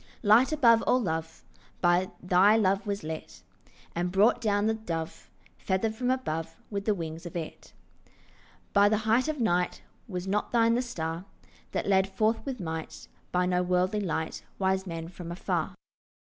Light above all love By thy love was lit, And brought down the Dove Feathered from above With the wings of it. From the height of night, Was not thine the star That led forth with might By no worldly light Wise men from afar?